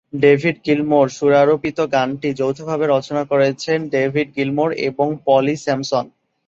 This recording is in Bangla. ডেভিড গিলমোর সুরারোপিত গানটি যৌথভাবে রচনা করেছেন ডেভিড গিলমোর এবং পলি স্যামসন।